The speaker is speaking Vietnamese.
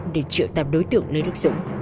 để triệu tạp đối tượng lê đức dũng